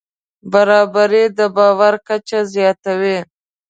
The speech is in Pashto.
برابري د باور کچه زیاتوي.